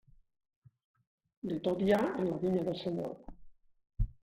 De tot hi ha en la vinya del Senyor.